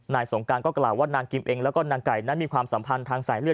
สงการก็กล่าวว่านางกิมเองแล้วก็นางไก่นั้นมีความสัมพันธ์ทางสายเลือ